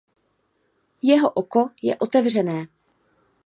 Jeho oko je otevřené.